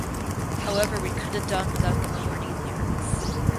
However we could have done without the corny lyrics.